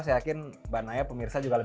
saya yakin mbak naya pemirsa juga